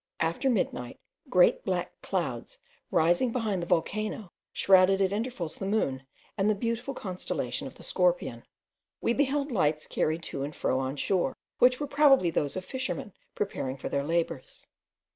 After midnight, great black clouds rising behind the volcano shrouded at intervals the moon and the beautiful constellation of the Scorpion. We beheld lights carried to and fro on shore, which were probably those of fishermen preparing for their labours.